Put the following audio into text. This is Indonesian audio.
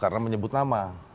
karena menyebut nama